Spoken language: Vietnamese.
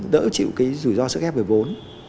đỡ chịu rủi ro sữa ghép về vốn